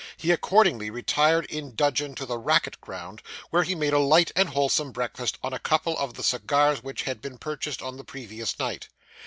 He accordingly retired in dudgeon to the racket ground, where he made a light and whole some breakfast on a couple of the cigars which had been purchased on the previous night.